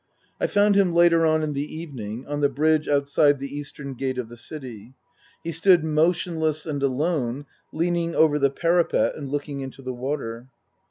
I found him later on in the evening, on the bridge out side the eastern gate of the city. He stood motionless and alone, leaning over the parapet and looking into the water.